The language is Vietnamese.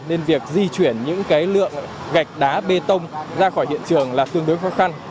nên việc di chuyển những cái lượng gạch đá bê tông ra khỏi hiện trường là tương đối khó khăn